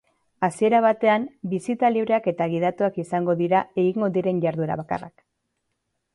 Hasiera batean, bisita libreak eta gidatuak izango dira egingo diren jarduera bakarrak.